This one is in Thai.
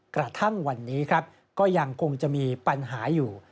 กระทั่งวันนี้ครับก็ยังคงจะมีปัญหาอยู่